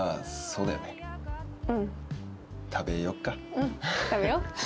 うん食べよう。